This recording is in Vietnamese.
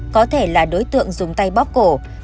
có thể là đối tượng dùng tay bóp cổ